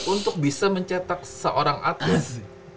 untuk bisa mencetak seorang artis